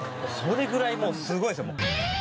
それぐらいもうすごいんですよ。